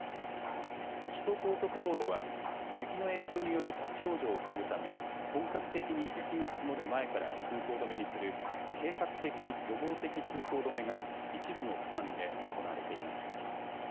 首都高速道路は雪の影響による立往生を防ぐため本格的に雪が積もる前から通行止めにする計画的・予防的通行止めが一部の区間で行われています。